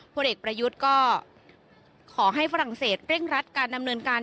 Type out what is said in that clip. ผลเอกประยุทธ์ก็ขอให้ฝรั่งเศสเร่งรัดการดำเนินการ